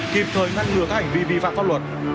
kịp thời ngăn ngừa các hành vi vi phạm pháp luật